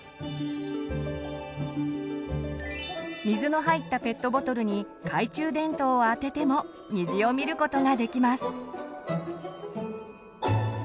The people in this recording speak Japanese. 水の入ったペットボトルに懐中電灯をあてても虹を見ることができます！